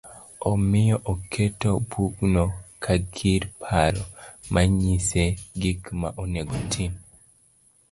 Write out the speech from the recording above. Omiyo oketo bugno kagir paro manyise gikma onego otim